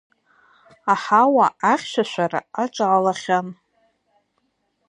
Аҳауа ахьшәашәара аҿалахьан.